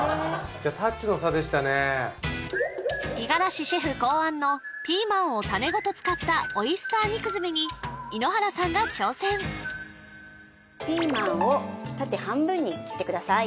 じゃあタッチの差でしたね五十嵐シェフ考案のピーマンを種ごと使ったオイスター肉詰めに井ノ原さんが挑戦ピーマンを縦半分に切ってください